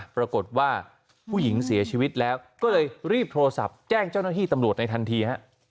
ปรากฏว่าผู้หญิงเสียชีวิตแล้วก็เลยรีบโทรศัพท์แจ้งเจ้าหน้าที่ตำรวจในทันทีฮะ